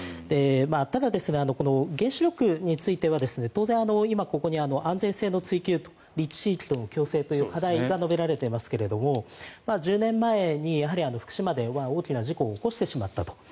ただ、原子力については当然、今ここに安全性への追求立地地域との共生という課題が述べられていますが１０年前に福島で大きな事故を起こしてしまったと。